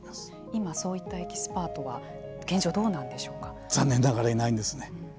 今、そういったエキスパートは残念ながらいないんですね。